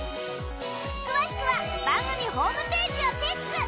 詳しくは番組ホームページをチェック